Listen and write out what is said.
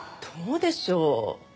どうでしょう？